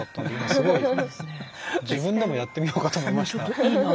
すごく自分でもやってみようと思いました。